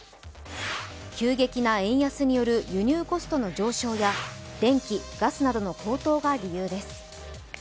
急激な円安による輸入コストの上昇や電気・ガスなどの高騰が理由です。